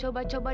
ya ya sudah puas